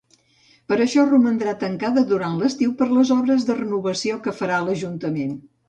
Per això, romandrà tancada durant l'estiu per les obres de renovació que farà l'Ajuntament.